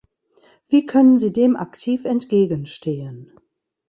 Wie können sie dem aktiv entgegenstehen?